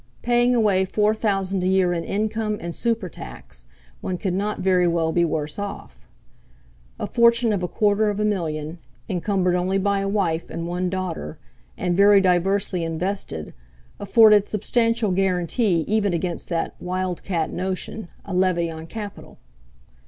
Paying away four thousand a year in income and super tax, one could not very well be worse off! A fortune of a quarter of a million, encumbered only by a wife and one daughter, and very diversely invested, afforded substantial guarantee even against that "wildcat notion" a levy on capital.